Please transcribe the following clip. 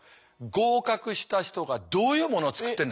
合格した人がどういうものを作ってんだ。